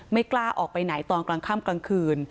กล้าออกไปไหนตอนกลางค่ำกลางคืน